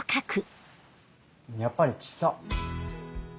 やっぱり小っさ。